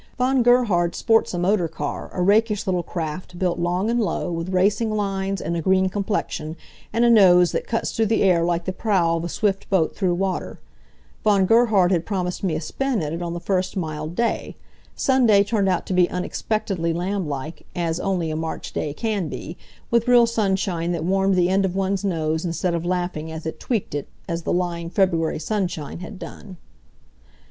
Von Gerhard sports a motor car, a rakish little craft, built long and low, with racing lines, and a green complexion, and a nose that cuts through the air like the prow of a swift boat through water. Von Gerhard had promised me a spin in it on the first mild day. Sunday turned out to be unexpectedly lamblike, as only a March day can be, with real sunshine that warmed the end of one's nose instead of laughing as it tweaked it, as the lying February sunshine had done.